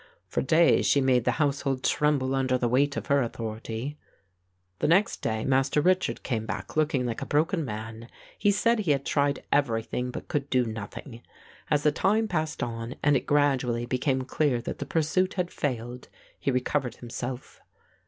For days she made the household tremble under the weight of her authority. "The next day Master Richard came back looking like a broken man. He said he had tried everything but could do nothing. As the time passed on, and it gradually became clear that the pursuit had failed, he recovered himself.